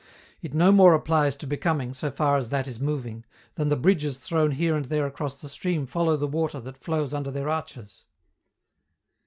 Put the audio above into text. It no more applies to becoming, so far as that is moving, than the bridges thrown here and there across the stream follow the water that flows under their arches.